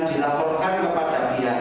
dan dilaporkan kepada pihak